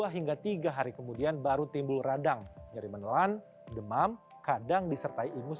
dua hingga tiga hari kemudian baru timbul radang nyari menelan demam kadang disertai imus